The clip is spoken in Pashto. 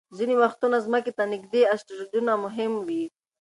ځینې وختونه ځمکې ته نږدې اسټروېډونه مهم وي.